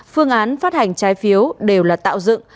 phương án phát hành trái phiếu đều là tạo dựng